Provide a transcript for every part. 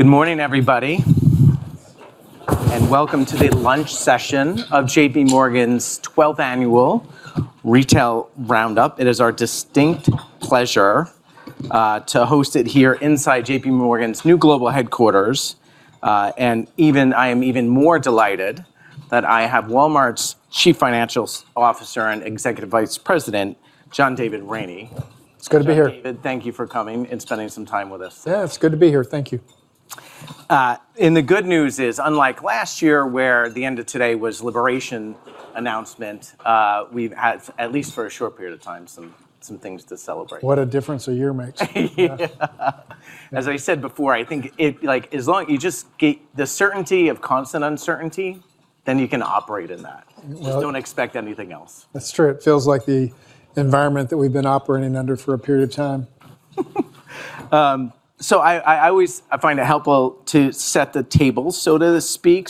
Good morning, everybody, and welcome to the lunch session of JPMorgan's 12th Annual Retail Roundup. It is our distinct pleasure to host it here inside JPMorgan's new global headquarters. I am even more delighted that I have Walmart's Chief Financial Officer and Executive Vice President, John David Rainey. It's good to be here. John David, thank you for coming and spending some time with us. Yeah, it's good to be here. Thank you. The good news is, unlike last year, where the end of the day was the Liberation Day announcement, we've had, at least for a short period of time, some things to celebrate. What a difference a year makes. Yeah. As I said before, I think the certainty of constant uncertainty, then you can operate in that. Just don't expect anything else. That's true. It feels like the environment that we've been operating under for a period of time. I always find it helpful to set the table, so to speak.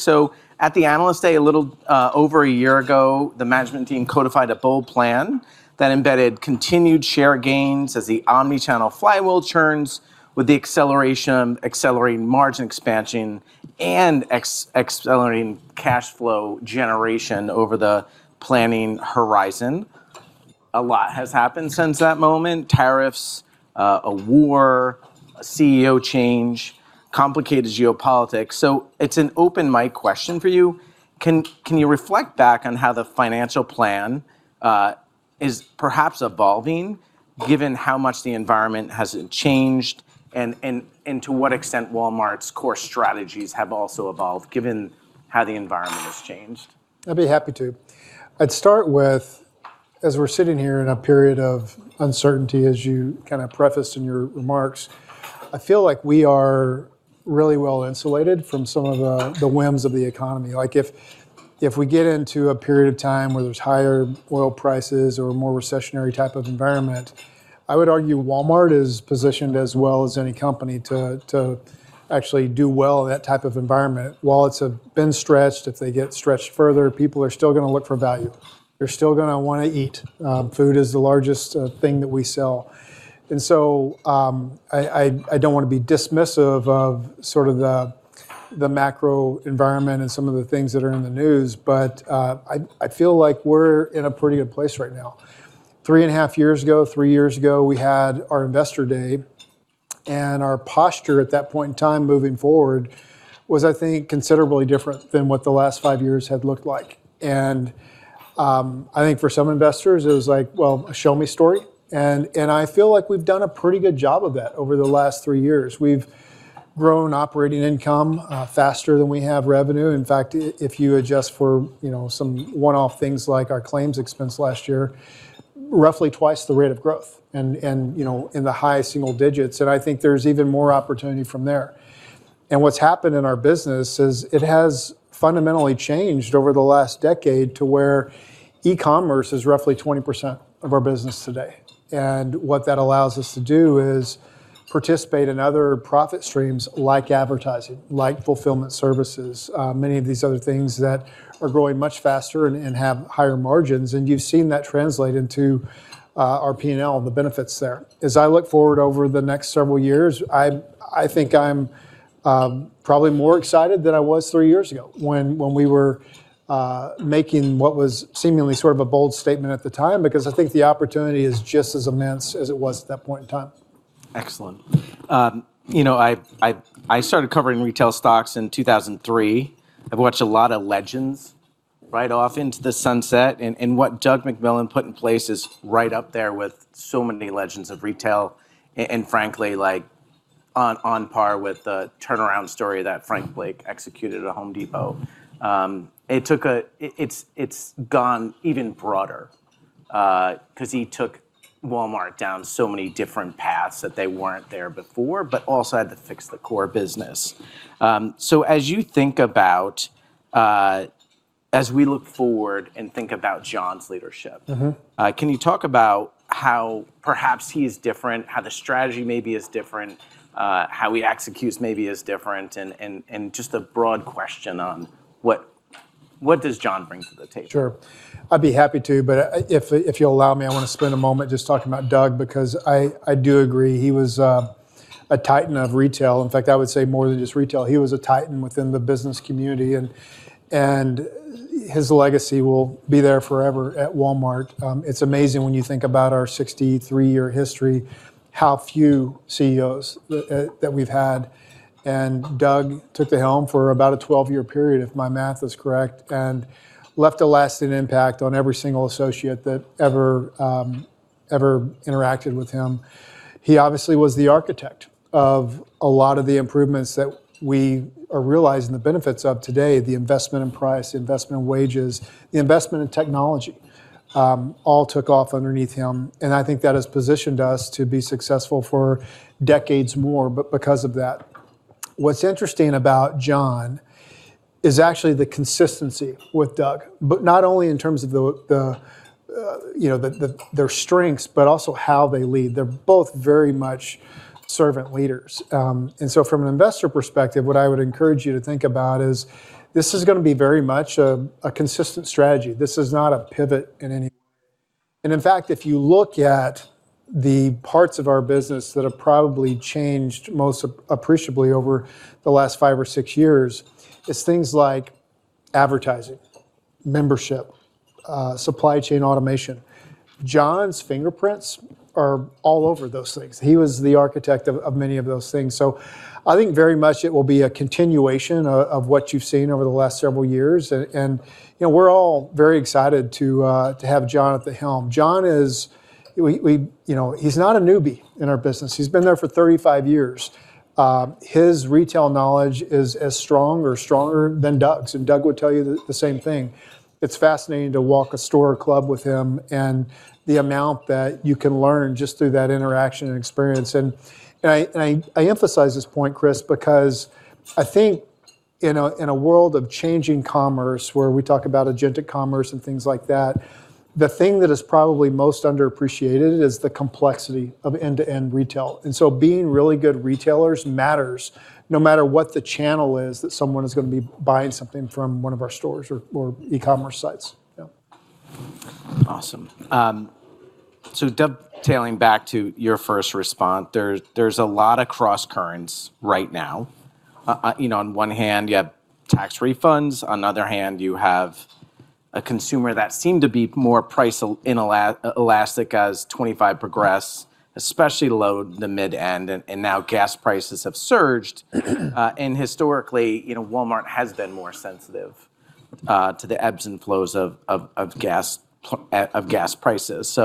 At the Analyst Day, a little over a year ago, the management team codified a bold plan that embedded continued share gains as the omni-channel flywheel churns with the accelerating margin expansion and accelerating cash flow generation over the planning horizon. A lot has happened since that moment, tariffs, a war, a CEO change, complicated geopolitics. It's an open mic question for you. Can you reflect back on how the financial plan is perhaps evolving, given how much the environment has changed, and to what extent Walmart's core strategies have also evolved, given how the environment has changed? I'd be happy to. I'd start with, as we're sitting here in a period of uncertainty, as you kind of prefaced in your remarks, I feel like we are really well-insulated from some of the whims of the economy. Like if we get into a period of time where there's higher oil prices or a more recessionary type of environment, I would argue Walmart is positioned as well as any company to actually do well in that type of environment. Wallets have been stretched. If they get stretched further, people are still going to look for value. They're still going to want to eat. Food is the largest thing that we sell. I don't want to be dismissive of sort of the macro environment and some of the things that are in the news, but I feel like we're in a pretty good place right now. 3.5 years ago, three years ago, we had our Investor Day, and our posture at that point in time moving forward was, I think, considerably different than what the last five years had looked like. I think for some investors, it was like, well, a show-me story. I feel like we've done a pretty good job of that over the last three years. We've grown operating income faster than we have revenue. In fact, if you adjust for some one-off things, like our claims expense last year, roughly twice the rate of growth and in the high single-digits, and I think there's even more opportunity from there. What's happened in our business is it has fundamentally changed over the last decade to where e-commerce is roughly 20% of our business today. What that allows us to do is participate in other profit streams like advertising, like Fulfillment Services, many of these other things that are growing much faster and have higher margins, and you've seen that translate into our P&L and the benefits there. As I look forward over the next several years, I think I'm probably more excited than I was three years ago when we were making what was seemingly sort of a bold statement at the time, because I think the opportunity is just as immense as it was at that point in time. Excellent. I started covering retail stocks in 2003. I've watched a lot of legends ride off into the sunset, and what Doug McMillon put in place is right up there with so many legends of retail, and frankly, on par with the turnaround story that Frank Blake executed at The Home Depot. It's gone even broader, because he took Walmart down so many different paths that they weren't there before, but also had to fix the core business. As you think about, as we look forward and think about John's leadership. Can you talk about how perhaps he's different, how the strategy maybe is different, how he executes maybe is different, and just a broad question on what does John bring to the table? Sure. I'd be happy to, but if you'll allow me, I want to spend a moment just talking about Doug, because I do agree, he was a titan of retail. In fact, I would say more than just retail. He was a titan within the business community, and his legacy will be there forever at Walmart. It's amazing when you think about our 63-year history, how few CEOs that we've had. Doug took the helm for about a 12-year period, if my math is correct, and left a lasting impact on every single associate that ever interacted with him. He obviously was the architect of a lot of the improvements that we are realizing the benefits of today, the investment in price, the investment in wages, the investment in technology, all took off underneath him, and I think that has positioned us to be successful for decades more because of that. What's interesting about John is actually the consistency with Doug, but not only in terms of their strengths, but also how they lead. They're both very much servant leaders. From an investor perspective, what I would encourage you to think about is this is going to be very much a consistent strategy. This is not a pivot in any way. In fact, if you look at the parts of our business that have probably changed most appreciably over the last five or six years, it's things like advertising, membership, supply chain automation. John's fingerprints are all over those things. He was the architect of many of those things. I think very much it will be a continuation of what you've seen over the last several years. We're all very excited to have John at the helm. John is not a newbie in our business. He's been there for 35 years. His retail knowledge is as strong or stronger than Doug's, and Doug would tell you the same thing. It's fascinating to walk a store or club with him and the amount that you can learn just through that interaction and experience. I emphasize this point, Chris, because I think in a world of changing commerce where we talk about agentic commerce and things like that, the thing that is probably most underappreciated is the complexity of end-to-end retail. Being really good retailers matters no matter what the channel is that someone is going to be buying something from one of our stores or e-commerce sites. Yeah. Awesome. Dovetailing back to your first response, there's a lot of crosscurrents right now. On one hand, you have tax refunds. On the other hand, you have a consumer that seemed to be more price inelastic as 2025 progressed, especially the low to mid end, and now gas prices have surged. Historically, Walmart has been more sensitive to the ebbs and flows of gas prices.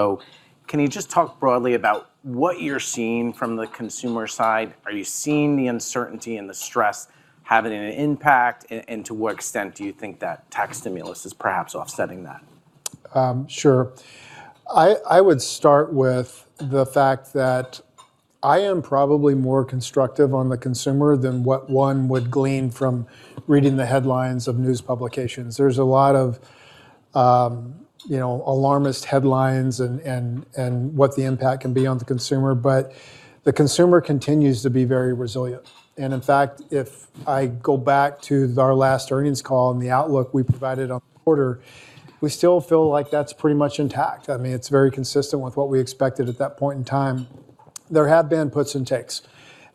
Can you just talk broadly about what you're seeing from the consumer side? Are you seeing the uncertainty and the stress having an impact? To what extent do you think that tax stimulus is perhaps offsetting that? Sure. I would start with the fact that I am probably more constructive on the consumer than what one would glean from reading the headlines of news publications. There's a lot of alarmist headlines and what the impact can be on the consumer, but the consumer continues to be very resilient. In fact, if I go back to our last earnings call and the outlook we provided on the quarter, we still feel like that's pretty much intact. I mean, it's very consistent with what we expected at that point in time. There have been puts and takes.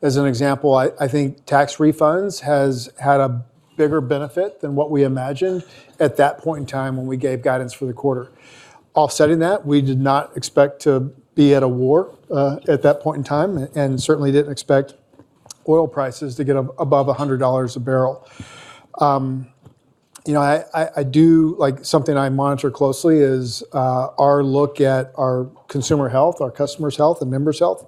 As an example, I think tax refunds has had a bigger benefit than what we imagined at that point in time when we gave guidance for the quarter. Offsetting that, we did not expect to be at a war at that point in time and certainly didn't expect oil prices to get above $100 a bbl. Something I monitor closely is our look at our consumer health, our customer's health, and members' health.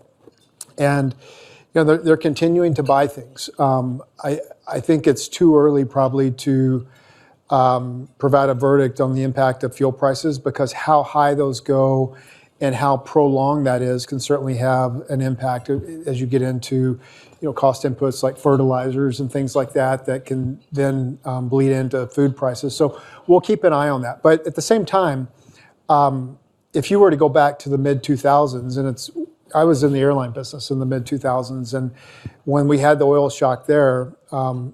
They're continuing to buy things. I think it's too early probably to provide a verdict on the impact of fuel prices, because how high those go and how prolonged that is can certainly have an impact as you get into cost inputs like fertilizers and things like that can then bleed into food prices. We'll keep an eye on that. At the same time, if you were to go back to the mid-2000s, and I was in the airline business in the mid-2000s. When we had the oil shock there,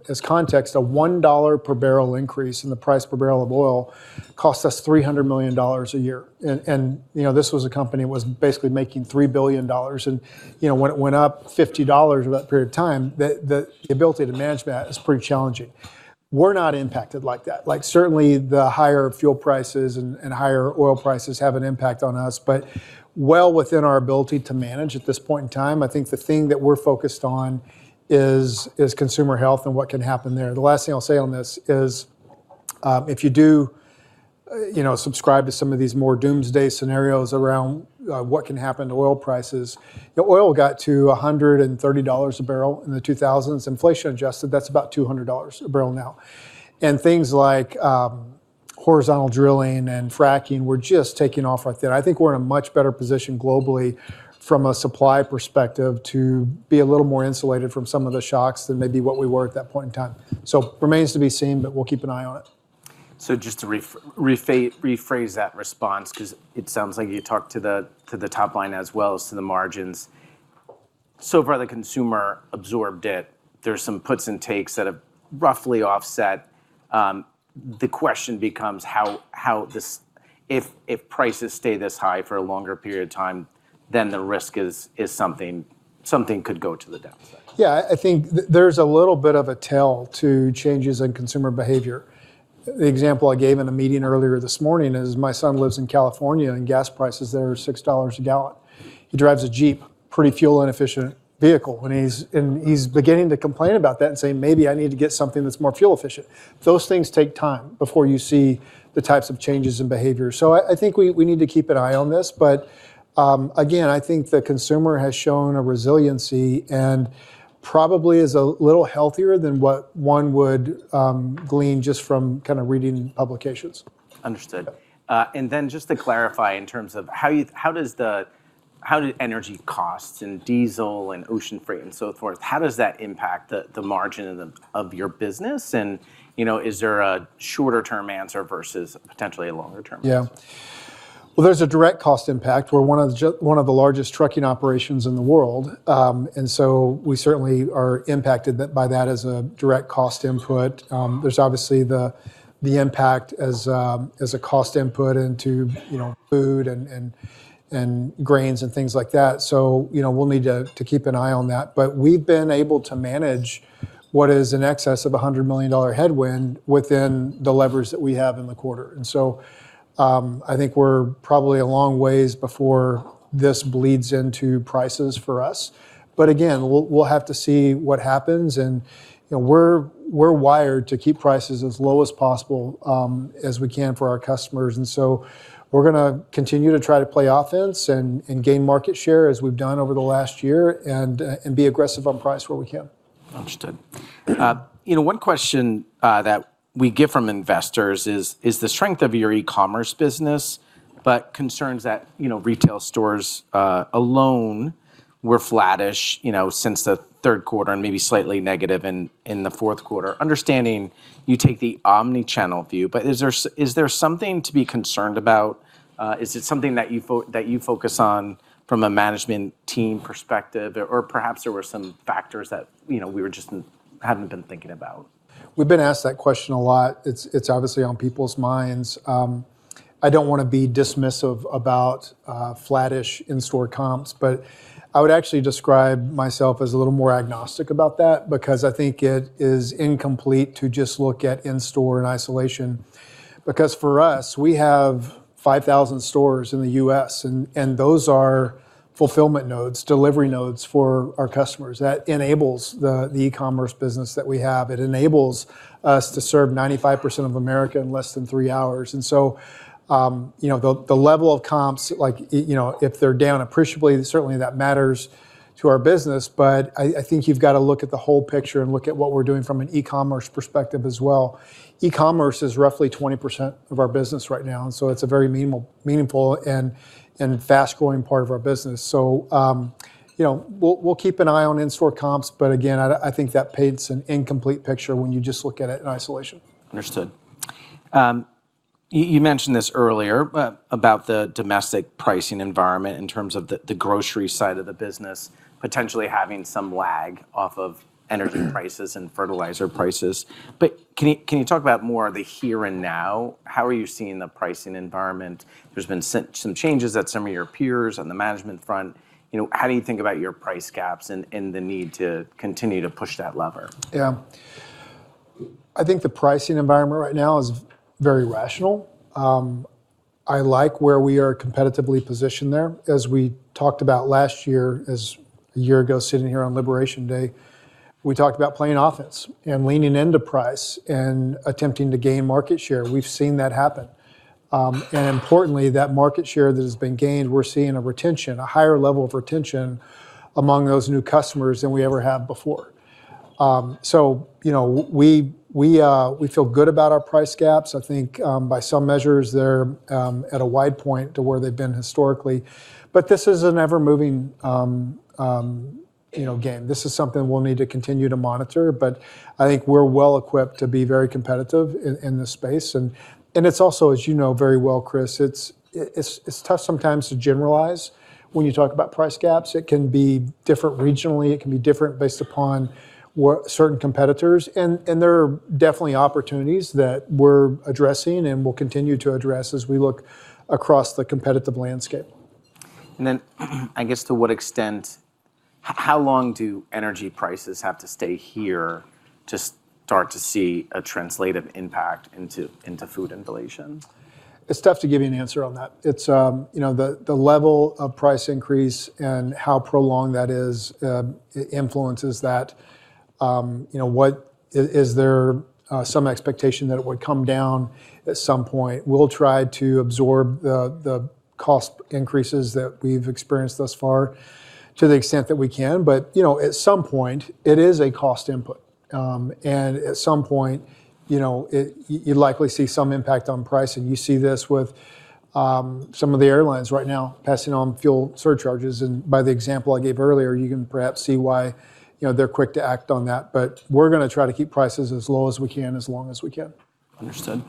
as context, a $1 per bbl increase in the price per barrel of oil cost us $300 million a year. This was a company that was basically making $3 billion. When it went up $50 over that period of time, the ability to manage that is pretty challenging. We're not impacted like that. Certainly, the higher fuel prices and higher oil prices have an impact on us, but well within our ability to manage at this point in time. I think the thing that we're focused on is consumer health and what can happen there. The last thing I'll say on this is if you do subscribe to some of these more doomsday scenarios around what can happen to oil prices, oil got to $130 a bbl in the 2000s. Inflation adjusted, that's about $200 a bbl now. Things like horizontal drilling and fracking were just taking off right then. I think we're in a much better position globally from a supply perspective to be a little more insulated from some of the shocks than maybe what we were at that point in time. Remains to be seen, but we'll keep an eye on it. Just to rephrase that response, because it sounds like you talked to the top line as well as to the margins. So far, the consumer absorbed it. There's some puts and takes that have roughly offset. The question becomes if prices stay this high for a longer period of time, then the risk is something could go to the downside. Yeah, I think there's a little bit of a tell to changes in consumer behavior. The example I gave in a meeting earlier this morning is my son lives in California, and gas prices there are $6 a gal. He drives a Jeep, pretty fuel inefficient vehicle, and he's beginning to complain about that and saying, "Maybe I need to get something that's more fuel efficient." Those things take time before you see the types of changes in behavior. So I think we need to keep an eye on this. Again, I think the consumer has shown a resiliency and probably is a little healthier than what one would glean just from kind of reading publications. Understood. Then just to clarify in terms of how energy costs and diesel and ocean freight and so forth, how does that impact the margin of your business? Is there a shorter-term answer versus potentially a longer-term answer? Yeah. Well, there's a direct cost impact. We're one of the largest trucking operations in the world. We certainly are impacted by that as a direct cost input. There's obviously the impact as a cost input into food and grains and things like that. We'll need to keep an eye on that. We've been able to manage what is in excess of $100 million headwind within the levers that we have in the quarter. I think we're probably a long ways before this bleeds into prices for us. Again, we'll have to see what happens and we're wired to keep prices as low as possible as we can for our customers. We're going to continue to try to play offense and gain market share as we've done over the last year and be aggressive on price where we can. Understood. One question that we get from investors is the strength of your e-commerce business, but concerns that retail stores alone were flattish since the third quarter and maybe slightly negative in the fourth quarter. I understand you take the omni-channel view, but is there something to be concerned about? Is it something that you focus on from a management team perspective? Or perhaps there were some factors that we just hadn't been thinking about. We've been asked that question a lot. It's obviously on people's minds. I don't want to be dismissive about flattish in-store comps, but I would actually describe myself as a little more agnostic about that, because I think it is incomplete to just look at in-store in isolation. Because for us, we have 5,000 stores in the U.S. and those are fulfillment nodes, delivery nodes for our customers that enables the e-commerce business that we have. It enables us to serve 95% of America in less than three hours. The level of comps, if they're down appreciably, certainly that matters to our business. I think you've got to look at the whole picture and look at what we're doing from an e-commerce perspective as well. E-commerce is roughly 20% of our business right now, and so it's a very meaningful and fast-growing part of our business. We'll keep an eye on in-store comps, but again, I think that paints an incomplete picture when you just look at it in isolation. Understood. You mentioned this earlier about the domestic pricing environment in terms of the grocery side of the business potentially having some lag off of energy prices and fertilizer prices. Can you talk about more of the here and now? How are you seeing the pricing environment? There's been some changes at some of your peers on the management front. How do you think about your price gaps and the need to continue to push that lever? Yeah. I think the pricing environment right now is very rational. I like where we are competitively positioned there. As we talked about last year, as a year ago sitting here on Liberation Day, we talked about playing offense and leaning into price and attempting to gain market share. We've seen that happen. Importantly, that market share that has been gained, we're seeing a retention, a higher level of retention among those new customers than we ever have before. We feel good about our price gaps. I think, by some measures, they're at a wide point to where they've been historically. This is an ever-moving game. This is something we'll need to continue to monitor, but I think we're well equipped to be very competitive in this space. It's also, as you know very well, Chris, it's tough sometimes to generalize when you talk about price gaps. It can be different regionally. It can be different based upon certain competitors. There are definitely opportunities that we're addressing and will continue to address as we look across the competitive landscape. I guess how long do energy prices have to stay here to start to see a translative impact into food inflation? It's tough to give you an answer on that. The level of price increase and how prolonged that is influences that. Is there some expectation that it would come down at some point? We'll try to absorb the cost increases that we've experienced thus far to the extent that we can. At some point, it is a cost input. At some point, you'd likely see some impact on pricing. You see this with some of the airlines right now passing on fuel surcharges. By the example I gave earlier, you can perhaps see why they're quick to act on that. We're going to try to keep prices as low as we can, as long as we can. Understood.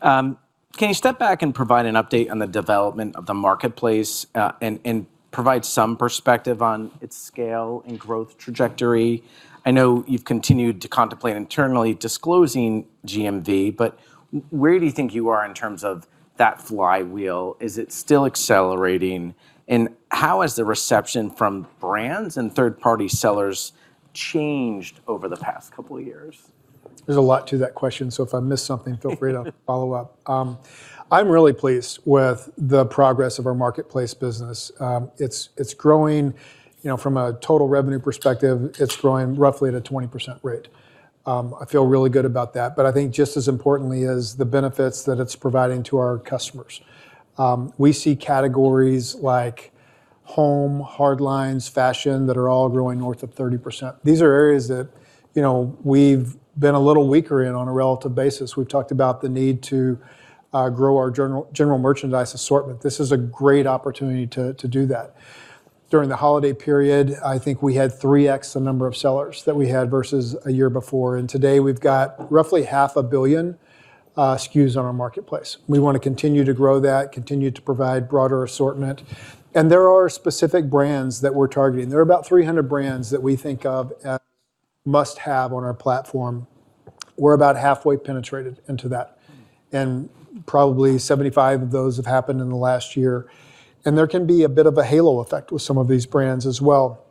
Can you step back and provide an update on the development of the Marketplace, and provide some perspective on its scale and growth trajectory? I know you've continued to contemplate internally disclosing GMV, but where do you think you are in terms of that flywheel? Is it still accelerating? How has the reception from brands and third-party sellers changed over the past couple of years? There's a lot to that question, so if I miss something, feel free to follow up. I'm really pleased with the progress of our Marketplace business. From a total revenue perspective, it's growing roughly at a 20% rate. I feel really good about that. I think just as importantly is the benefits that it's providing to our customers. We see categories like home, hardlines, fashion, that are all growing north of 30%. These are areas that we've been a little weaker in on a relative basis. We've talked about the need to grow our general merchandise assortment. This is a great opportunity to do that. During the holiday period, I think we had 3x the number of sellers that we had versus a year before. Today, we've got roughly 500 million SKUs on our Marketplace. We want to continue to grow that, continue to provide broader assortment. There are specific brands that we're targeting. There are about 300 brands that we think of as must-have on our platform. We're about halfway penetrated into that, and probably 75 of those have happened in the last year. There can be a bit of a halo effect with some of these brands as well.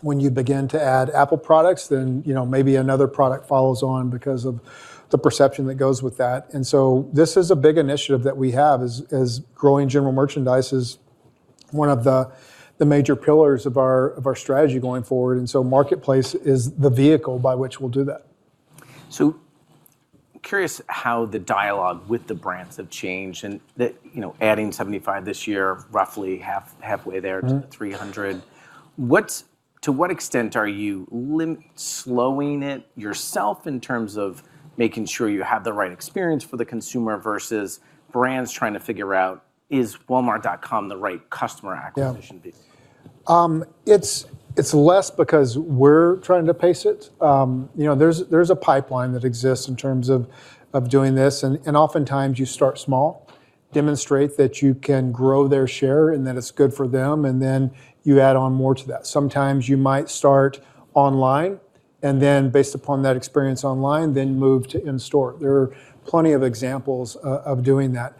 When you begin to add Apple products, then maybe another product follows on because of the perception that goes with that. This is a big initiative that we have, is growing general merchandise is one of the major pillars of our strategy going forward. Marketplace is the vehicle by which we'll do that. I'm curious how the dialogue with the brands have changed and adding 75 this year, roughly halfway there to the 300. To what extent are you slowing it yourself in terms of making sure you have the right experience for the consumer versus brands trying to figure out if walmart.com is the right customer acquisition base? Yeah. It's less because we're trying to pace it. There's a pipeline that exists in terms of doing this, and oftentimes you start small, demonstrate that you can grow their share and that it's good for them, and then you add on more to that. Sometimes you might start online and then based upon that experience online, then move to in-store. There are plenty of examples of doing that.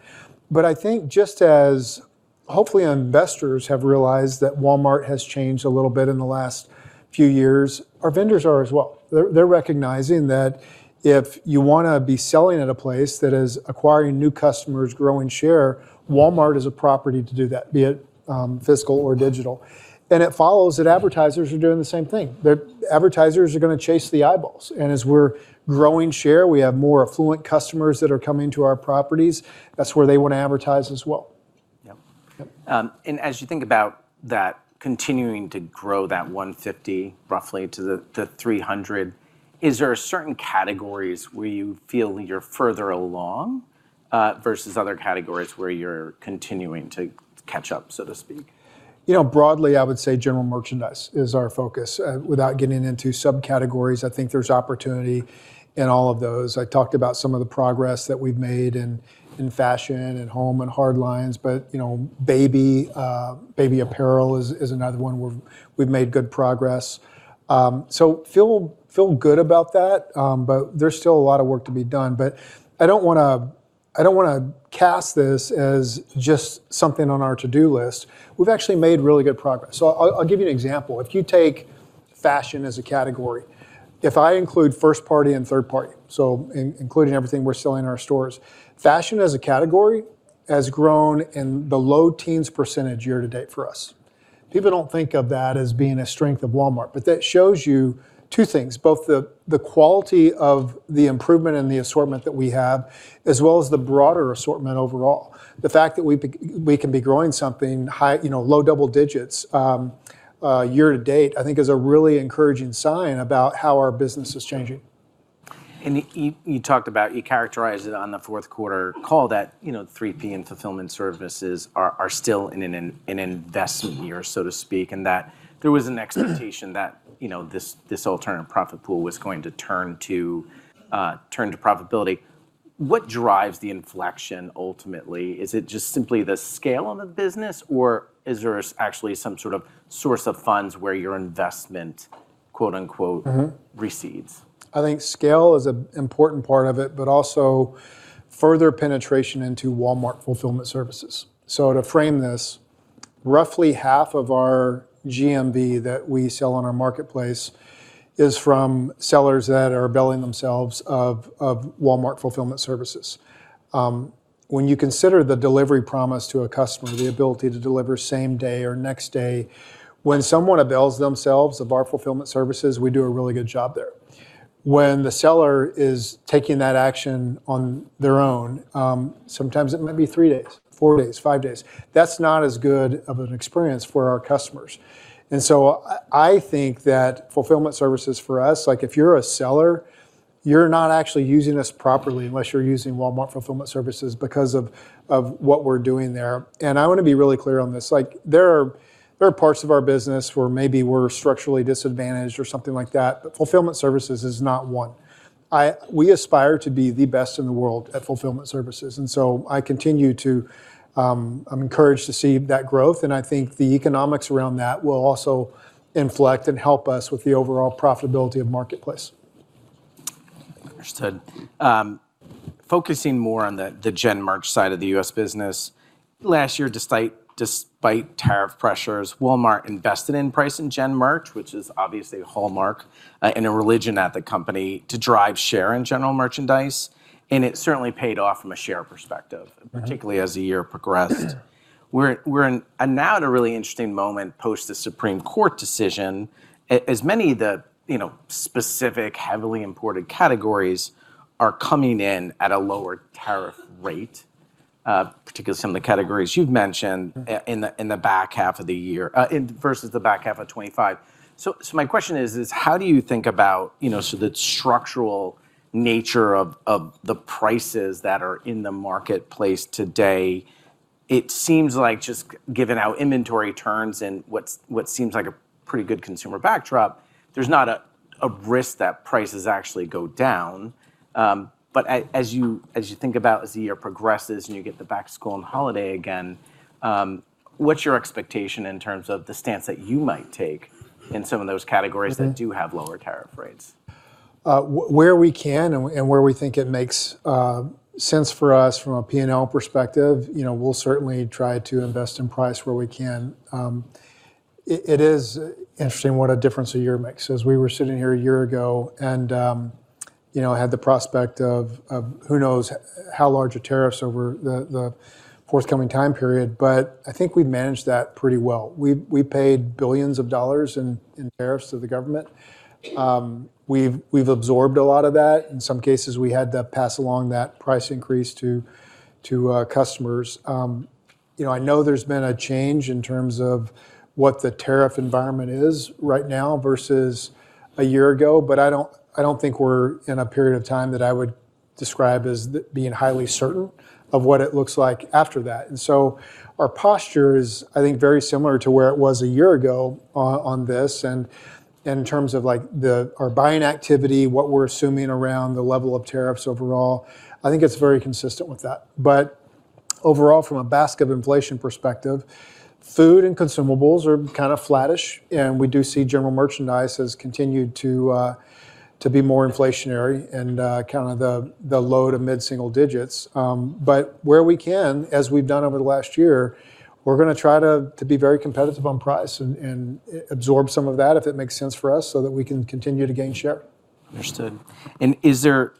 I think just as hopefully investors have realized that Walmart has changed a little bit in the last few years, our vendors are as well. They're recognizing that if you want to be selling at a place that is acquiring new customers, growing share, Walmart is a property to do that, be it physical or digital. It follows that advertisers are doing the same thing. Advertisers are going to chase the eyeballs, and as we're growing share, we have more affluent customers that are coming to our properties. That's where they want to advertise as well. As you think about that continuing to grow that 150 roughly to the 300, is there certain categories where you feel you're further along, versus other categories where you're continuing to catch up, so to speak? Broadly, I would say general merchandise is our focus. Without getting into subcategories, I think there's opportunity in all of those. I talked about some of the progress that we've made in fashion and home and hardlines, but baby apparel is another one where we've made good progress. Feel good about that. There's still a lot of work to be done, but I don't want to cast this as just something on our to-do list. We've actually made really good progress. I'll give you an example. If you take fashion as a category, if I include first-party and third-party, so including everything we're selling in our stores, fashion as a category has grown in the low teens percentage year to date for us. People don't think of that as being a strength of Walmart, but that shows you two things, both the quality of the improvement in the assortment that we have, as well as the broader assortment overall. The fact that we can be growing something low double-digits, year to date, I think is a really encouraging sign about how our business is changing. You talked about, you characterized it on the fourth quarter call that 3P and Fulfillment Services are still in an investment year, so to speak, and that there was an expectation that this alternative profit pool was going to turn to profitability. What drives the inflection ultimately? Is it just simply the scale of the business, or is there actually some sort of source of funds where your investment, quote unquote, recedes? I think scale is an important part of it, but also further penetration into Walmart Fulfillment Services. To frame this, roughly half of our GMV that we sell on our Marketplace is from sellers that are availing themselves of Walmart Fulfillment Services. When you consider the delivery promise to a customer, the ability to deliver same day or next day, when someone avails themselves of our Fulfillment Services, we do a really good job there. When the seller is taking that action on their own, sometimes it might be three days, four days, five days. That's not as good of an experience for our customers. I think that Fulfillment Services for us, like if you're a seller, you're not actually using us properly unless you're using Walmart Fulfillment Services because of what we're doing there. I want to be really clear on this, there are parts of our business where maybe we're structurally disadvantaged or something like that, but Fulfillment Services is not one. We aspire to be the best in the world at Fulfillment Services. I'm encouraged to see that growth, and I think the economics around that will also inflect and help us with the overall profitability of Marketplace. Understood. Focusing more on the gen merch side of the U.S. business. Last year, despite tariff pressures, Walmart invested in price and gen merch, which is obviously a hallmark and a religion at the company to drive share in general merchandise, and it certainly paid off from a share perspective, particularly as the year progressed. We're now at a really interesting moment post the Supreme Court decision. As many of the specific heavily imported categories are coming in at a lower tariff rate, particularly some of the categories you've mentioned, in the back half of the year, versus the back half of 2025. My question is, how do you think about the structural nature of the prices that are in the Marketplace today? It seems like just given how inventory turns and what seems like a pretty good consumer backdrop, there's not a risk that prices actually go down. As you think about the year progresses and you get the back-to-school and holiday again, what's your expectation in terms of the stance that you might take in some of those categories that do have lower tariff rates? Where we can and where we think it makes sense for us from a P&L perspective, we'll certainly try to invest in price where we can. It is interesting what a difference a year makes. As we were sitting here a year ago and had the prospect of who knows how large are tariffs over the forthcoming time period, but I think we've managed that pretty well. We paid billions of dollars in tariffs to the government. We've absorbed a lot of that. In some cases, we had to pass along that price increase to customers. I know there's been a change in terms of what the tariff environment is right now versus a year ago, but I don't think we're in a period of time that I would describe as being highly certain of what it looks like after that. Our posture is, I think, very similar to where it was a year ago on this, and in terms of our buying activity, what we're assuming around the level of tariffs overall, I think it's very consistent with that. Overall, from a basket of inflation perspective, food and consumables are kind of flattish, and we do see general merchandise has continued to be more inflationary and kind of the low-to mid-single digits. Where we can, as we've done over the last year, we're going to try to be very competitive on price and absorb some of that if it makes sense for us so that we can continue to gain share. Understood. Is there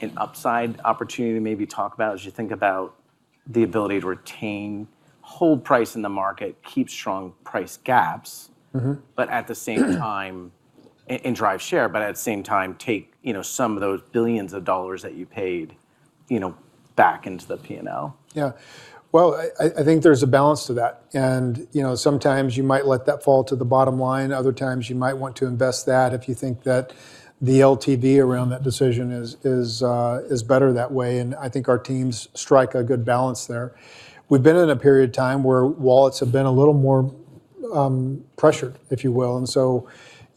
an upside opportunity to maybe talk about as you think about the ability to retain, hold price in the market, keep strong price gaps and drive share, but at the same time take some of those billions of dollars that you paid back into the P&L? Yeah. Well, I think there's a balance to that. Sometimes you might let that fall to the bottom line. Other times you might want to invest that if you think that the LTV around that decision is better that way. I think our teams strike a good balance there. We've been in a period of time where wallets have been a little more pressured, if you will, and so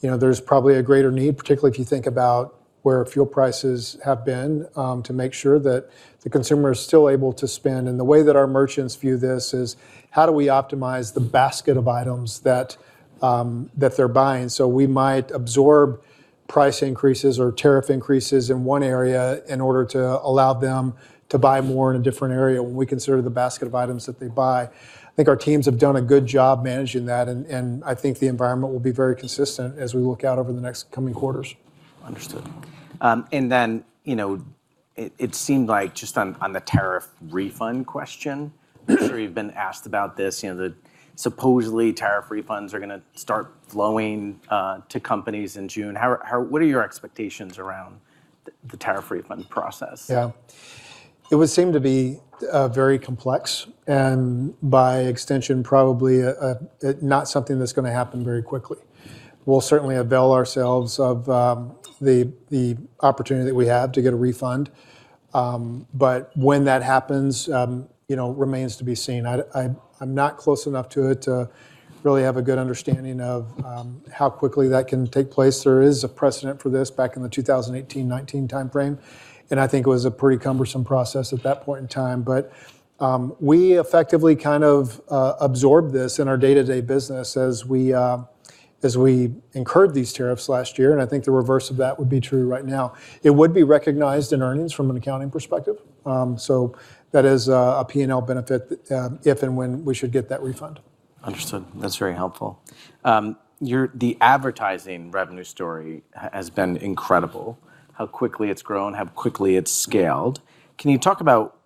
there's probably a greater need, particularly if you think about where fuel prices have been, to make sure that the consumer is still able to spend. The way that our merchants view this is, how do we optimize the basket of items that they're buying. We might absorb price increases or tariff increases in one area in order to allow them to buy more in a different area when we consider the basket of items that they buy. I think our teams have done a good job managing that, and I think the environment will be very consistent as we look out over the next coming quarters. Understood. It seemed like just on the tariff refund question, I'm sure you've been asked about this, the supposedly tariff refunds are going to start flowing to companies in June. What are your expectations around the tariff refund process? Yeah. It would seem to be very complex, and by extension, probably not something that's going to happen very quickly. We'll certainly avail ourselves of the opportunity that we have to get a refund, but when that happens remains to be seen. I'm not close enough to it to really have a good understanding of how quickly that can take place. There is a precedent for this back in the 2018/2019 time frame, and I think it was a pretty cumbersome process at that point in time. We effectively kind of absorbed this in our day-to-day business as we incurred these tariffs last year, and I think the reverse of that would be true right now. It would be recognized in earnings from an accounting perspective. That is a P&L benefit if and when we should get that refund. Understood. That's very helpful. The advertising revenue story has been incredible, how quickly it's grown, how quickly it's scaled. Can you talk about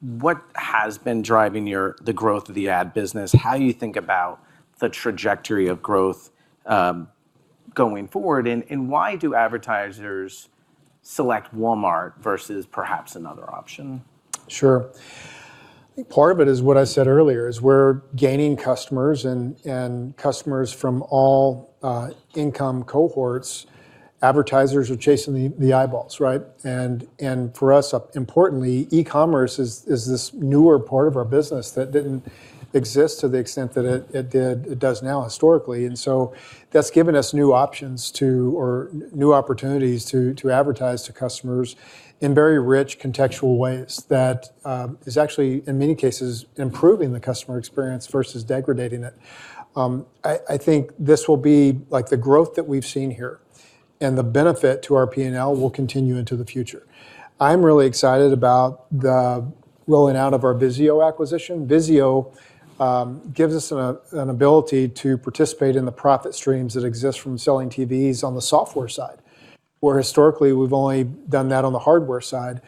what has been driving the growth of the ad business, how you think about the trajectory of growth going forward, and why do advertisers select Walmart versus perhaps another option? Sure. I think part of it is what I said earlier, is we're gaining customers and customers from all income cohorts. Advertisers are chasing the eyeballs, right? For us, importantly, e-commerce is this newer part of our business that didn't exist to the extent that it does now historically. That's given us new options to, or new opportunities to advertise to customers in very rich contextual ways that is actually, in many cases, improving the customer experience versus degrading it. I think this will be like the growth that we've seen here and the benefit to our P&L will continue into the future. I'm really excited about the rolling out of our VIZIO acquisition. VIZIO gives us an ability to participate in the profit streams that exist from selling TVs on the software side, where historically we've only done that on the hardware side.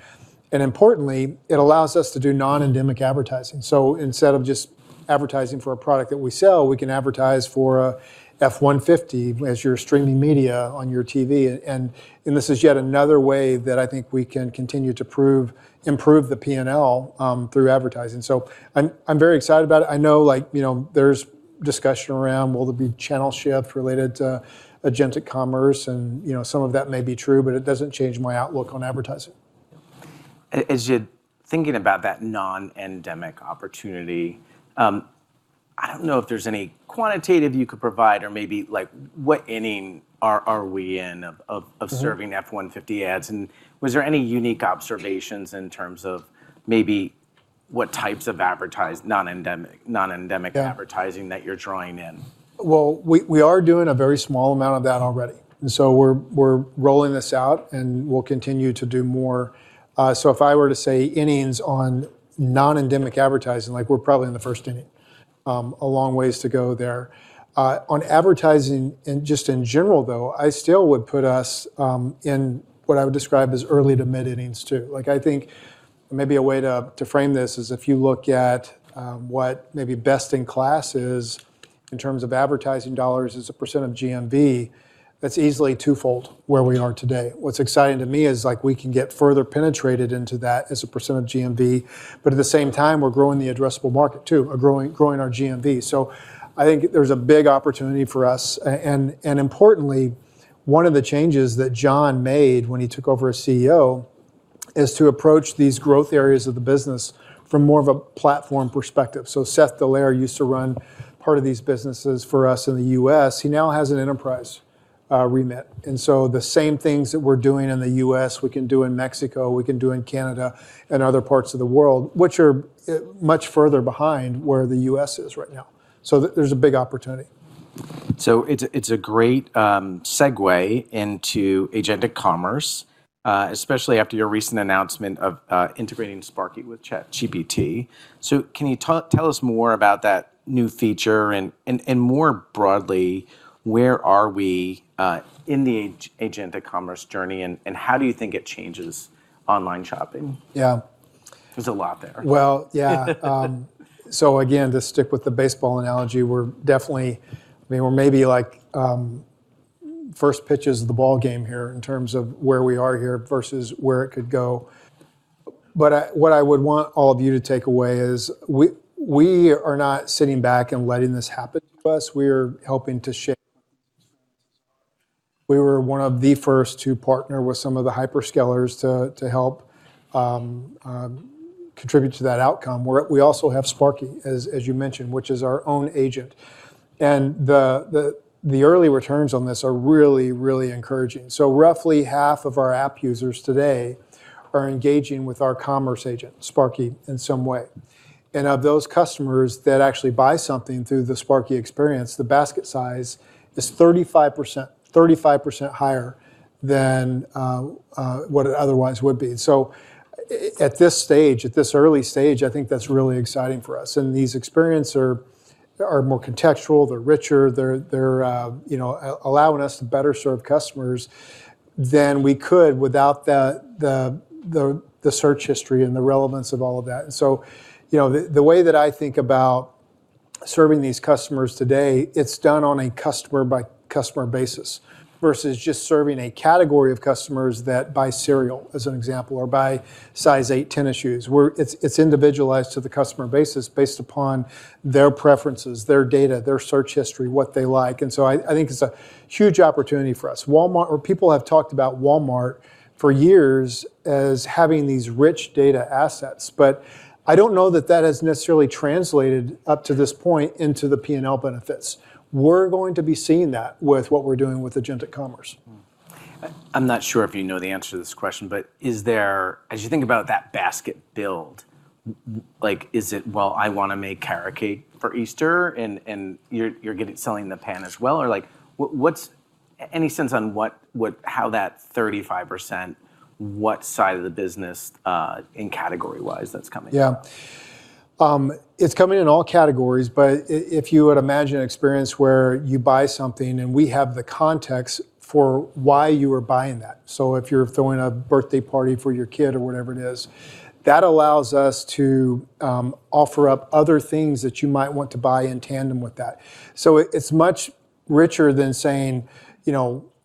Importantly, it allows us to do non-endemic advertising. Instead of just advertising for a product that we sell, we can advertise for a F-150 as you're streaming media on your TV. This is yet another way that I think we can continue to improve the P&L through advertising. I'm very excited about it. I know there's discussion around whether there will be channel shift related to agentic commerce, and some of that may be true, but it doesn't change my outlook on advertising. As you're thinking about that non-endemic opportunity, I don't know if there's any quantitative you could provide or maybe like what inning are we in of serving F-150 ads, and was there any unique observations in terms of what types of non-endemic advertising that you're drawing in? Well, we are doing a very small amount of that already. We're rolling this out and we'll continue to do more. If I were to say innings on non-endemic advertising, we're probably in the first inning. A long ways to go there. On advertising in general, though, I still would put us in what I would describe as early to mid innings too. I think maybe a way to frame this is if you look at what maybe best in class is in terms of advertising dollars as a percentage of GMV, that's easily twofold where we are today. What's exciting to me is we can get further penetrated into that as a percentage of GMV, but at the same time, we're growing the addressable market too, or growing our GMV. I think there's a big opportunity for us. Importantly, one of the changes that John made when he took over as CEO is to approach these growth areas of the business from more of a platform perspective. Seth Dallaire used to run part of these businesses for us in the U.S. He now has an enterprise remit, and so the same things that we're doing in the U.S., we can do in Mexico, we can do in Canada and other parts of the world, which are much further behind where the U.S. is right now. There's a big opportunity. It's a great segue into agentic commerce, especially after your recent announcement of integrating Sparky with ChatGPT. Can you tell us more about that new feature? More broadly, where are we in the agentic commerce journey, and how do you think it changes online shopping? Yeah. There's a lot there. Well, yeah. Again, to stick with the baseball analogy, we're maybe first pitches of the ball game here in terms of where we are here versus where it could go. What I would want all of you to take away is we are not sitting back and letting this happen to us. We are helping to shape. We were one of the first to partner with some of the hyperscalers to help contribute to that outcome. We also have Sparky, as you mentioned, which is our own agent. The early returns on this are really, really encouraging. Roughly half of our app users today are engaging with our commerce agent, Sparky, in some way. Of those customers that actually buy something through the Sparky experience, the basket size is 35% higher than what it otherwise would be. At this early stage, I think that's really exciting for us. These experiences are more contextual, they're richer, they're allowing us to better serve customers than we could without the search history and the relevance of all of that. The way that I think about serving these customers today, it's done on a customer by customer basis versus just serving a category of customers that buy cereal, as an example, or buy size eight tennis shoes, where it's individualized to the customer basis based upon their preferences, their data, their search history, what they like. I think it's a huge opportunity for us. People have talked about Walmart for years as having these rich data assets, but I don't know that that has necessarily translated up to this point into the P&L benefits. We're going to be seeing that with what we're doing with agentic commerce. I'm not sure if you know the answer to this question, but as you think about that basket build, is it, well, I want to make carrot cake for Easter and you're selling the pan as well? Any sense on how that 35%, what side of the business, in category-wise, that's coming? Yeah. It's coming in all categories, but if you would imagine an experience where you buy something and we have the context for why you are buying that. If you're throwing a birthday party for your kid or whatever it is, that allows us to offer up other things that you might want to buy in tandem with that. It's much richer than saying,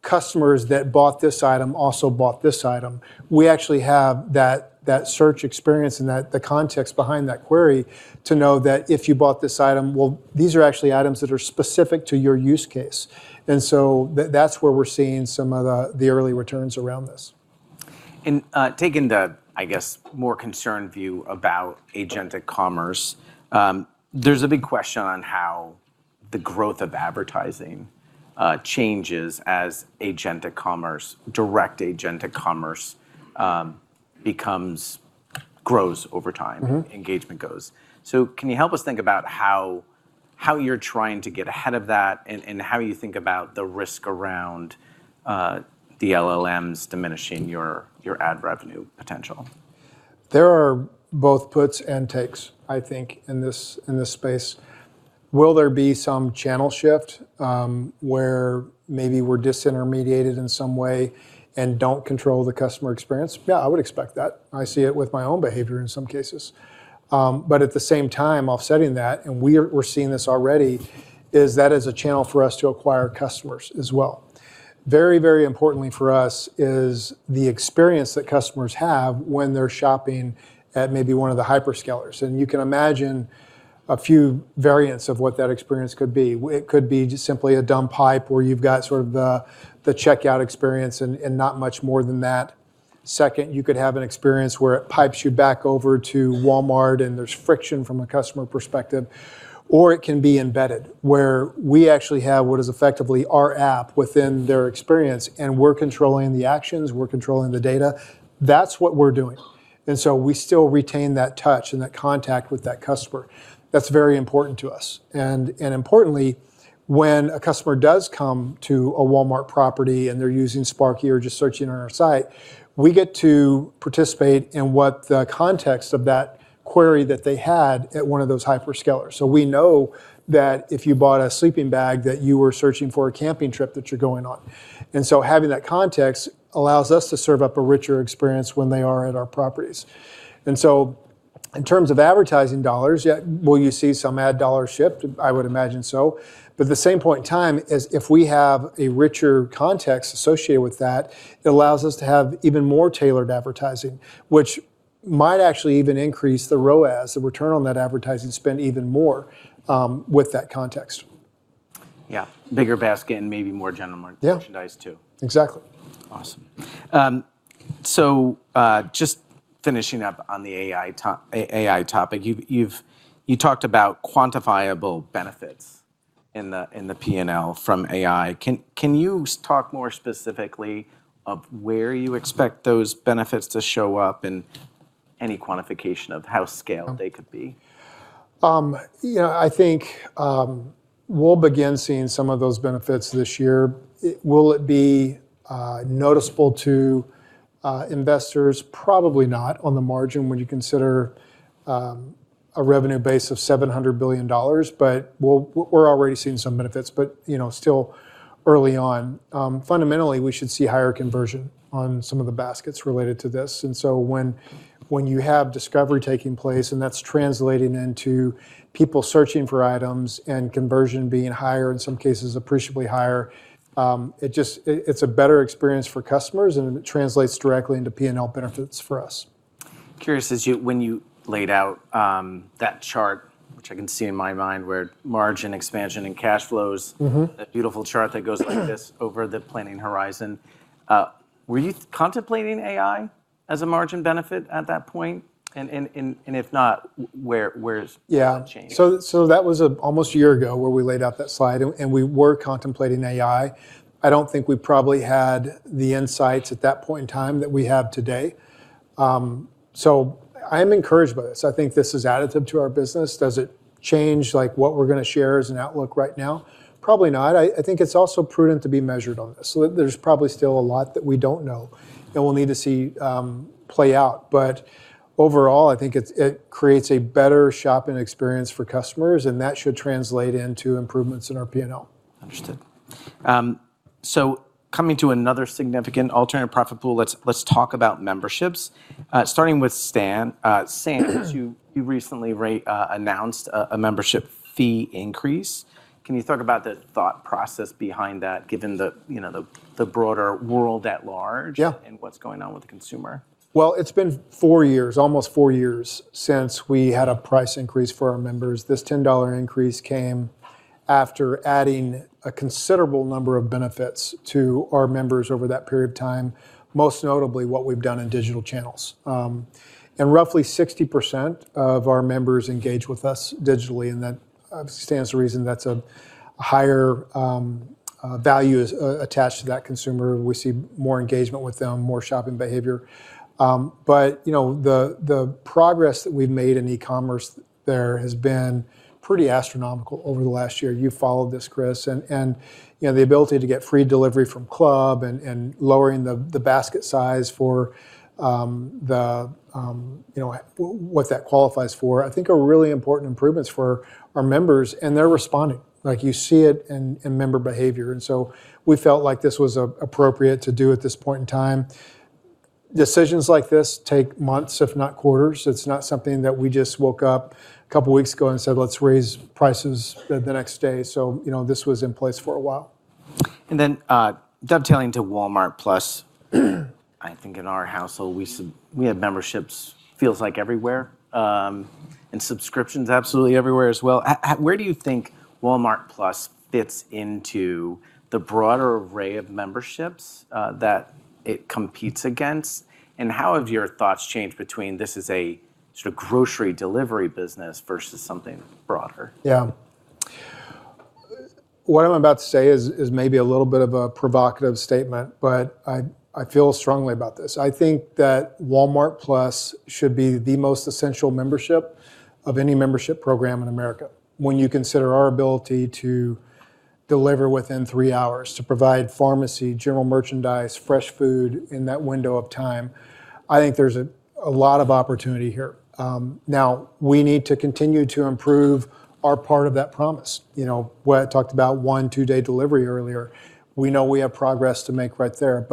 customers that bought this item also bought this item. We actually have that search experience and the context behind that query to know that if you bought this item, well, these are actually items that are specific to your use case. That's where we're seeing some of the early returns around this. Taking the, I guess, more concerned view about agentic commerce, there's a big question on how the growth of advertising changes as agentic commerce, direct agentic commerce, grows over time engagement goes. Can you help us think about how you're trying to get ahead of that, and how you think about the risk around the LLMs diminishing your ad revenue potential? There are both puts and takes, I think, in this space. Will there be some channel shift, where maybe we're disintermediated in some way and don't control the customer experience? Yeah, I would expect that. I see it with my own behavior in some cases. At the same time, offsetting that, and we're seeing this already, is that a channel for us to acquire customers as well. Very, very importantly for us is the experience that customers have when they're shopping at maybe one of the hyperscalers. You can imagine a few variants of what that experience could be. It could be just simply a dumb pipe where you've got sort of the checkout experience and not much more than that. Second, you could have an experience where it pipes you back over to Walmart and there's friction from a customer perspective, or it can be embedded, where we actually have what is effectively our app within their experience, and we're controlling the actions, we're controlling the data. That's what we're doing. We still retain that touch and that contact with that customer. That's very important to us. Importantly, when a customer does come to a Walmart property and they're using Sparky or just searching on our site, we get to participate in what the context of that query that they had at one of those hyperscalers. We know that if you bought a sleeping bag that you were searching for a camping trip that you're going on. Having that context allows us to serve up a richer experience when they are at our properties. In terms of advertising dollars, will you see some ad dollars shift? I would imagine so. At the same point in time, if we have a richer context associated with that, it allows us to have even more tailored advertising, which might actually even increase the ROAS, the return on that advertising spend even more with that context. Yeah. Bigger basket and maybe more general merchandise, too. Yeah. Exactly. Awesome. Just finishing up on the AI topic. You talked about quantifiable benefits in the P&L from AI. Can you talk more specifically of where you expect those benefits to show up and any quantification of how scaled they could be? I think we'll begin seeing some of those benefits this year. Will it be noticeable to investors? Probably not, on the margin, when you consider a revenue base of $700 billion. We're already seeing some benefits, but still early on. Fundamentally, we should see higher conversion on some of the baskets related to this. When you have discovery taking place and that's translating into people searching for items and conversion being higher, in some cases appreciably higher, it's a better experience for customers and it translates directly into P&L benefits for us. Curious, when you laid out that chart, which I can see in my mind, where margin expansion and cash flows that beautiful chart that goes like this over the planning horizon, were you contemplating AI as a margin benefit at that point? If not, where's that change? Yeah. That was almost a year ago where we laid out that slide, and we were contemplating AI. I don't think we probably had the insights at that point in time that we have today. I'm encouraged by this. I think this is additive to our business. Does it change what we're going to share as an outlook right now? Probably not. I think it's also prudent to be measured on this. There's probably still a lot that we don't know and we'll need to see play out. Overall, I think it creates a better shopping experience for customers, and that should translate into improvements in our P&L. Understood. Coming to another significant alternate profit pool, let's talk about memberships. Starting with Sam. Sam, you recently announced a membership fee increase. Can you talk about the thought process behind that, given the broader world at large? Yeah. What's going on with the consumer? Well, it's been four years, almost four years, since we had a price increase for our members. This $10 increase came after adding a considerable number of benefits to our members over that period of time. Most notably, what we've done in digital channels. Roughly 60% of our members engage with us digitally, and that stands to reason that's a higher value attached to that consumer. We see more engagement with them, more shopping behavior. The progress that we've made in e-commerce there has been pretty astronomical over the last year. You've followed this, Chris. The ability to get free delivery from Club and lowering the basket size for what that qualifies for, I think are really important improvements for our members. They're responding. You see it in member behavior. We felt like this was appropriate to do at this point in time. Decisions like this take months, if not quarters. It's not something that we just woke up a couple of weeks ago and said, "Let's raise prices the next day." This was in place for a while. Then, dovetailing to Walmart+. I think in our household, we have memberships, feels like everywhere. Subscriptions absolutely everywhere as well. Where do you think Walmart+ fits into the broader array of memberships that it competes against? How have your thoughts changed between this as a sort of grocery delivery business versus something broader? Yeah. What I'm about to say is maybe a little bit of a provocative statement, but I feel strongly about this. I think that Walmart+ should be the most essential membership of any membership program in America. When you consider our ability to deliver within 3 hours, to provide pharmacy, general merchandise, fresh food in that window of time, I think there's a lot of opportunity here. Now, we need to continue to improve our part of that promise. Where I talked about one to two day delivery earlier, we know we have progress to make right there.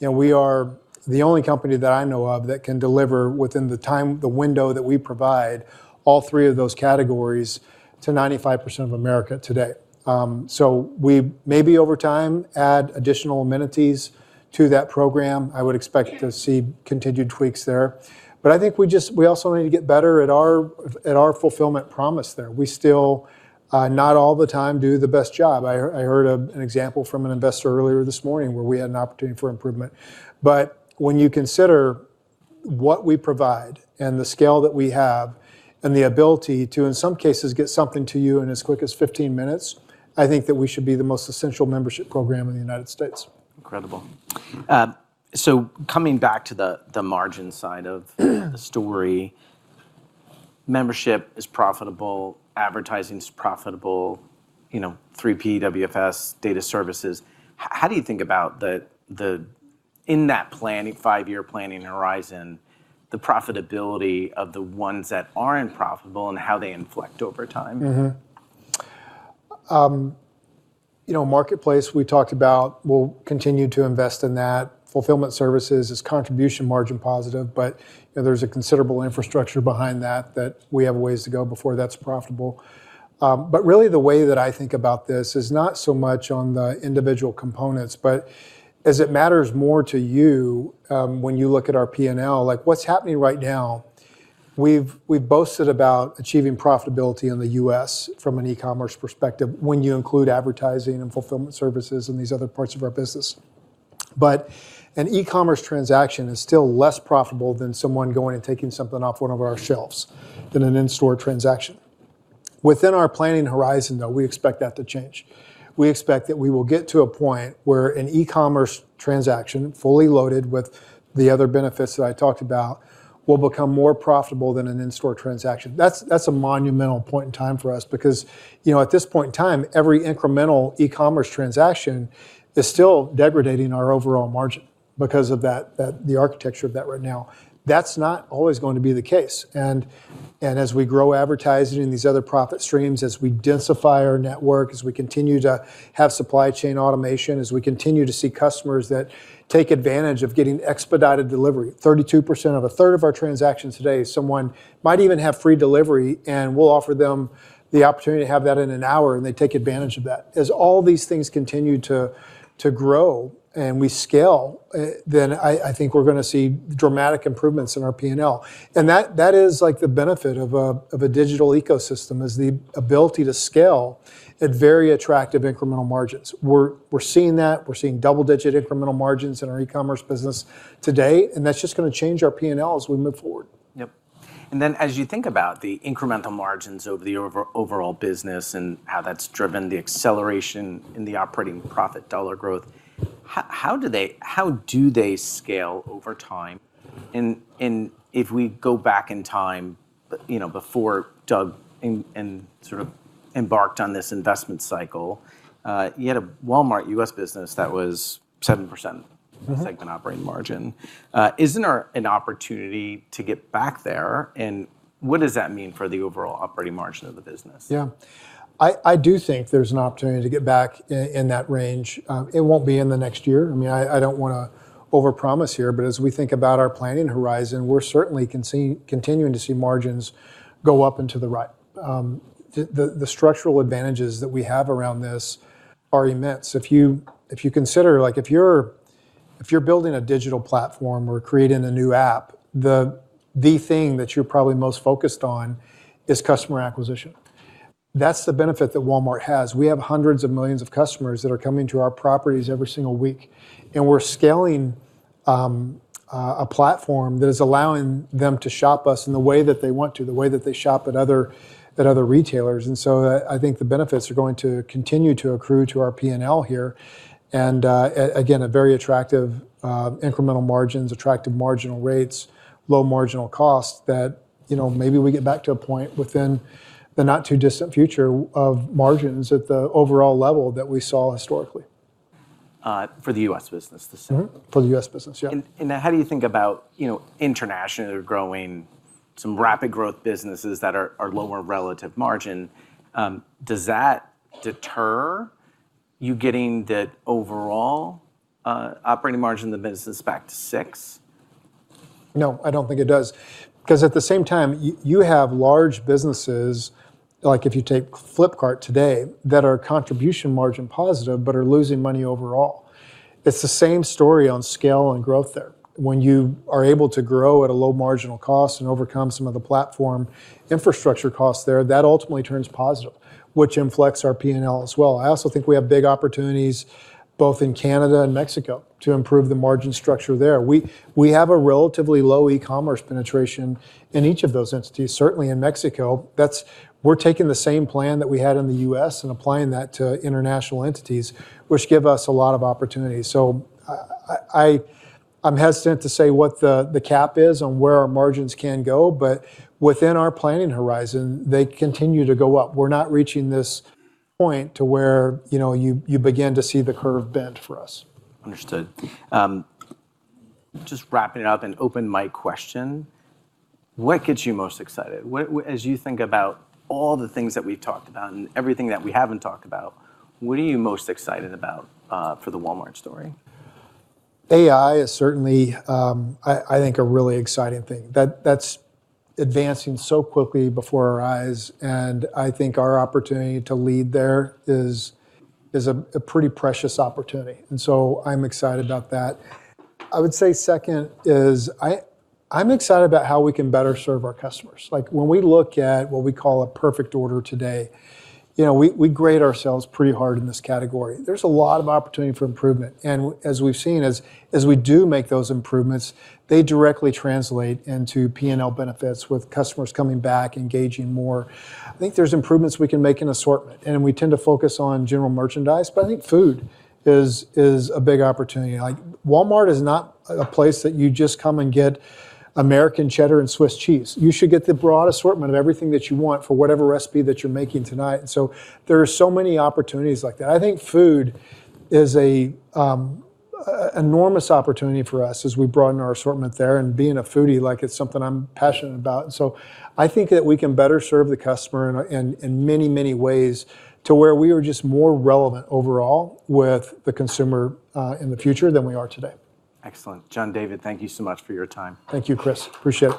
We are the only company that I know of that can deliver within the window that we provide all three of those categories to 95% of America today. We maybe over time add additional amenities to that program. I would expect to see continued tweaks there. I think we also need to get better at our fulfillment promise there. We still do not all the time do the best job. I heard an example from an investor earlier this morning where we had an opportunity for improvement. When you consider what we provide and the scale that we have and the ability to, in some cases, get something to you in as quick as 15 minutes, I think that we should be the most essential membership program in the United States. Incredible. Coming back to the margin side of the story. Membership is profitable, advertising's profitable, 3P, WFS, data services. How do you think about, in that five-year planning horizon, the profitability of the ones that aren't profitable and how they inflect over time? Marketplace, we talked about. We'll continue to invest in that. Fulfillment Services is contribution margin positive, but there's a considerable infrastructure behind that we have a ways to go before that's profitable. Really the way that I think about this is not so much on the individual components, but as it matters more to you when you look at our P&L. Like what's happening right now, we've boasted about achieving profitability in the U.S. from an e-commerce perspective when you include advertising and Fulfillment Services and these other parts of our business. An e-commerce transaction is still less profitable than someone going and taking something off one of our shelves than an in-store transaction. Within our planning horizon, though, we expect that to change. We expect that we will get to a point where an e-commerce transaction, fully loaded with the other benefits that I talked about, will become more profitable than an in-store transaction. That's a monumental point in time for us because, at this point in time, every incremental e-commerce transaction is still degrading our overall margin because of the architecture of that right now. That's not always going to be the case as we grow advertising and these other profit streams, as we densify our network, as we continue to have supply chain automation, as we continue to see customers that take advantage of getting expedited delivery, 32% or a third of our transactions today, someone might even have free delivery, and we'll offer them the opportunity to have that in an hour, and they take advantage of that. As all these things continue to grow and we scale, then I think we're going to see dramatic improvements in our P&L. That is the benefit of a digital ecosystem, is the ability to scale at very attractive incremental margins. We're seeing that. We're seeing double-digit incremental margins in our e-commerce business today, and that's just going to change our P&L as we move forward. Yep. As you think about the incremental margins over the overall business and how that's driven the acceleration in the operating profit dollar growth, how do they scale over time? If we go back in time before Doug embarked on this investment cycle, you had a Walmart U.S. business that was 7% segment operating margin. Isn't there an opportunity to get back there? What does that mean for the overall operating margin of the business? Yeah. I do think there's an opportunity to get back in that range. It won't be in the next year. I don't want to overpromise here, but as we think about our planning horizon, we're certainly continuing to see margins go up and to the right. The structural advantages that we have around this are immense. If you consider if you're building a digital platform or creating a new app, the thing that you're probably most focused on is customer acquisition. That's the benefit that Walmart has. We have hundreds of millions of customers that are coming to our properties every single week, and we're scaling a platform that is allowing them to shop us in the way that they want to, the way that they shop at other retailers. I think the benefits are going to continue to accrue to our P&L here. Again, a very attractive incremental margins, attractive marginal rates, low marginal costs that maybe we get back to a point within the not-too-distant future of margins at the overall level that we saw historically. For the U.S. business, the same? For the U.S. business, yeah. Now how do you think about international growth, some rapid growth businesses that are lower relative margin? Does that deter you getting the overall operating margin of the business back to 6%? No, I don't think it does because at the same time, you have large businesses, like if you take Flipkart today, that are contribution margin positive but are losing money overall. It's the same story on scale and growth there. When you are able to grow at a low marginal cost and overcome some of the platform infrastructure costs there, that ultimately turns positive, which inflects our P&L as well. I also think we have big opportunities both in Canada and Mexico to improve the margin structure there. We have a relatively low e-commerce penetration in each of those entities, certainly in Mexico. We're taking the same plan that we had in the U.S. and applying that to international entities, which give us a lot of opportunities. I'm hesitant to say what the cap is on where our margins can go, but within our planning horizon, they continue to go up. We're not reaching this point to where you begin to see the curve bent for us. Understood. Just wrapping it up, an open mic question. What gets you most excited? As you think about all the things that we've talked about and everything that we haven't talked about, what are you most excited about for the Walmart story? AI is certainly, I think, a really exciting thing. That's advancing so quickly before our eyes, and I think our opportunity to lead there is a pretty precious opportunity, and so I'm excited about that. I would say second is I'm excited about how we can better serve our customers. Like when we look at what we call a perfect order today, we grade ourselves pretty hard in this category. There's a lot of opportunity for improvement. As we've seen, as we do make those improvements, they directly translate into P&L benefits with customers coming back, engaging more. I think there's improvements we can make in assortment, and we tend to focus on general merchandise, but I think food is a big opportunity. Walmart is not a place that you just come and get American cheddar and Swiss cheese. You should get the broad assortment of everything that you want for whatever recipe that you're making tonight, and so there are so many opportunities like that. I think food is an enormous opportunity for us as we broaden our assortment there. Being a foodie, it's something I'm passionate about. I think that we can better serve the customer in many ways to where we are just more relevant overall with the consumer in the future than we are today. Excellent. John David, thank you so much for your time. Thank you, Chris. Appreciate it.